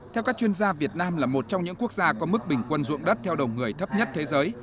theo các chuyên gia việt nam là một trong những quốc gia có mức bình quân ruộng đất theo đồng người thấp nhất thế giới